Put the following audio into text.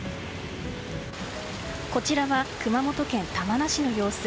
こちらは、熊本県玉名市の様子。